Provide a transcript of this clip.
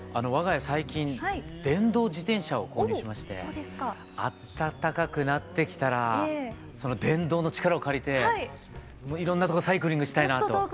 我が家最近電動自転車を購入しまして暖かくなってきたら電動の力を借りていろんなところサイクリングしたいなと。